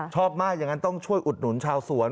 ชอบมากอย่างนั้นต้องช่วยอุดหนุนชาวสวน